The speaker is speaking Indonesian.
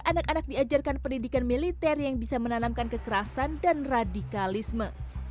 anak anak diajarkan pendidikan militer yang bisa menanamkan kekerasan dan radikalisme